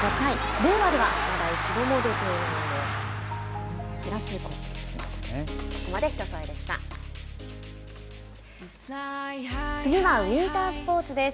令和ではまだ一度も出ていないんです。